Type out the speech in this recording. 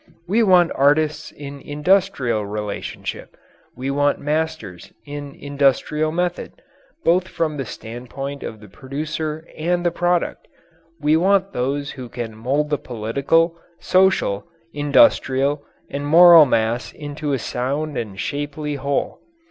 We want artists in industrial relationship. We want masters in industrial method both from the standpoint of the producer and the product. We want those who can mould the political, social, industrial, and moral mass into a sound and shapely whole.